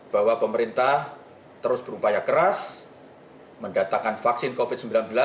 bahwa pemerintah terus berupaya keras mendatangkan vaksin covid sembilan belas